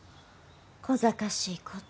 こざかしいこと。